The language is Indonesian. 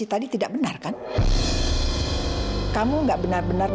enggak om enggak itu gak benar om